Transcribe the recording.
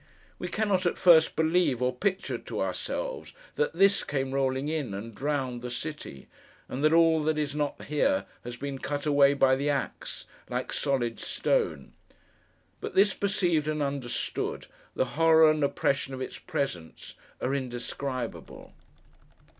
We cannot, at first, believe, or picture to ourselves, that THIS came rolling in, and drowned the city; and that all that is not here, has been cut away, by the axe, like solid stone. But this perceived and understood, the horror and oppression of its presence are indescribable.